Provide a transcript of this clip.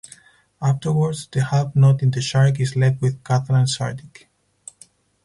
Afterwards, the half not in the shark is left with Kazran Sardick.